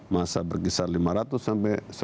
masa berkisar lima ratus sampai